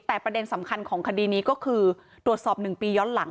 แต่ประเด็นสำคัญของคดีนี้ก็คือตรวจสอบ๑ปีย้อนหลัง